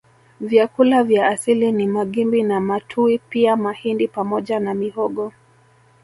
Vyakula vya asili ni magimbi na matuwi pia mahindi pamoja na mihogo